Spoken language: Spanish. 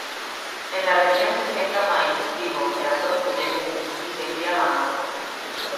En la región se siembra maíz, trigo, girasol y legumbres y se cría ganado.